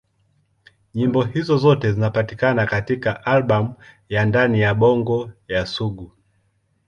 Nyimbo hizo zote zinapatikana katika albamu ya Ndani ya Bongo ya Sugu.